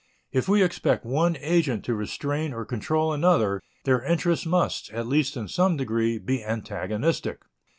If we expect one agent to restrain or control another, their interests must, at least in some degree, be antagonistic.